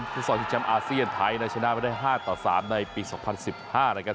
ทุกส่วนที่เชียมอาเซียนไทยนะชนะไปได้๕ต่อ๓ในปี๒๐๑๕นะครับ